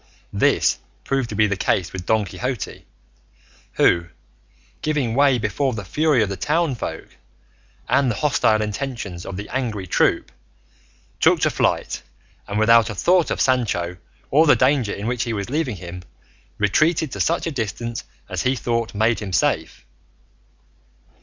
This proved to be the case with Don Quixote, who, giving way before the fury of the townsfolk and the hostile intentions of the angry troop, took to flight and, without a thought of Sancho or the danger in which he was leaving him, retreated to such a distance as he thought made him safe.